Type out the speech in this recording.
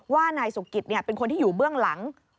ว่านายสุกิตเป็นคนที่อยู่เบื้องหลัง